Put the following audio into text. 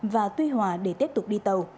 và tuy hòa để tiếp tục đi tàu